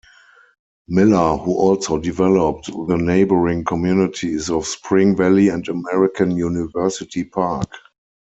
Miller, who also developed the neighboring communities of Spring Valley and American University Park.